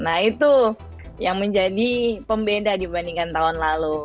nah itu yang menjadi pembeda dibandingkan tahun lalu